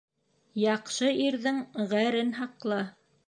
Яҡшы ирҙең ғәрен һаҡла.